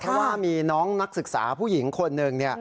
เพราะว่ามีน้องนักศึกษาผู้หญิงคนหนึ่ง